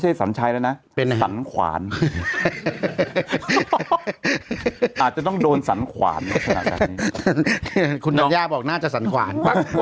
ใช่สัญลไหร่นะไหมหนังหวานมันอาจจะต้องโดนสั้นขวานคุณเดิมออกหน้าที่สัญขวาน